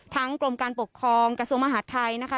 กรมการปกครองกระทรวงมหาดไทยนะคะ